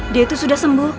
dia tuh sudah sembuh